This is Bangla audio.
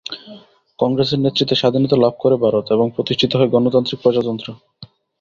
কংগ্রেসের নেতৃত্বে স্বাধীনতা লাভ করে ভারত এবং প্রতিষ্ঠিত হয় গণতান্ত্রিক প্রজাতন্ত্র।